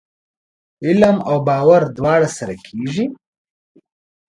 علم او باور دواړه سره کېږي ؟